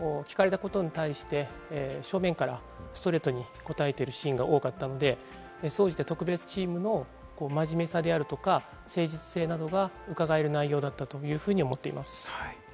また会見も聞かれたことに対して、正面からストレートに答えているシーンが多かったので、総じて特別チームも真面目さであるとか、誠実性などがうかがえる内容だったと思っています。